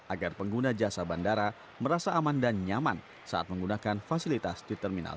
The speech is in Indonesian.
agar pengguna jasa bandara merasa aman dan nyaman saat menggunakan fasilitas di terminal tiga